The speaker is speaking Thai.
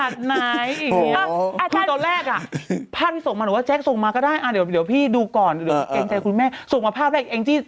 ใช่ไม่รู้จะทำยังไงเยอะคาแร็กเตอร์ไม่ออกแล้วแล้วนี่